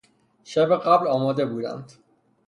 شب قبل آمده بودند.